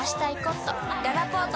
ららぽーと